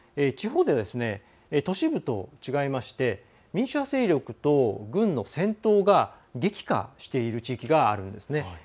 地方では、都市部と違いまして民主派勢力と軍の戦闘が激化している地域があるんですね。